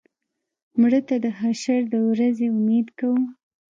مړه ته د حشر د ورځې امید کوو